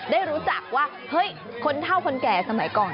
ได้รู้จักว่าเฮ้ยคนเท่าคนแก่สมัยก่อน